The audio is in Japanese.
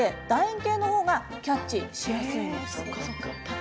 円形のほうがキャッチしやすいんです。